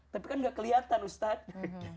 tapi kan tidak kelihatan ustadz